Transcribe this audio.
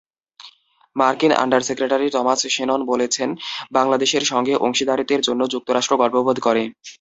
মার্কিন under secretary Thomas Shannon বলেছেন, বাংলাদেশের সঙ্গে অংশীদারত্বের জন্য যুক্তরাষ্ট্র গর্ববোধ করে।